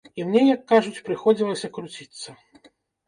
І мне, як кажуць, прыходзілася круціцца.